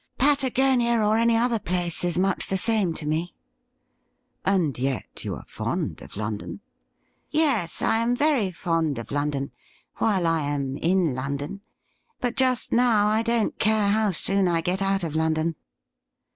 ' Patagonia or any other place is much the same to me.' ' And yet you are fond of London .?'' Yes, I am very fond of London, while I am in London ; but just now I don't care how soon I get out of London.'